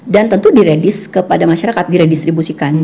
dan tentu diredis kepada masyarakat diredistribusikan